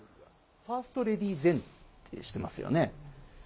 ファーストレディー然していますよね。